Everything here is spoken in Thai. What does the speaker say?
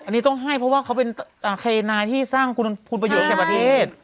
อันนี้ต้องให้เพราะว่าเขาเป็นใครนายที่สร้างคุณประโยชน์แก่ประเทศ